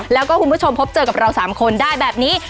แล้วก็คุณผู้ชมพบเจอกับเรา๓คนได้แบบนี้